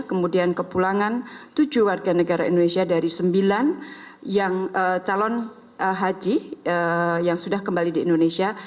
kemudian kepulangan tujuh warga negara indonesia dari sembilan calon haji yang sudah kembali di indonesia